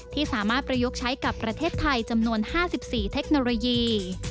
ที่สามารถประยุกต์ใช้กับประเทศไทยจำนวน๕๔เทคโนโลยี